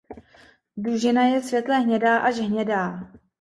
Dužnina je světle hnědá až hnědá.